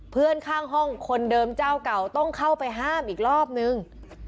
เพื่อนข้างห้องคนเดิมเจ้าเก่าต้องเข้าไปห้ามอีกรอบนึง